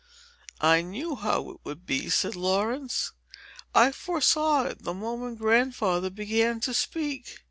"I knew how it would be," said Laurence; "I foresaw it, the moment Grandfather began to speak."